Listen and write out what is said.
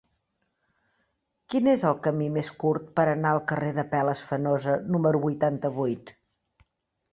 Quin és el camí més curt per anar al carrer d'Apel·les Fenosa número vuitanta-vuit?